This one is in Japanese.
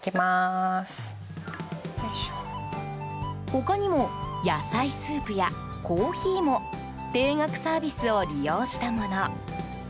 他にも野菜スープやコーヒーも定額サービスを利用したもの。